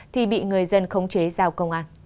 thì bị người dân khống chế giao công an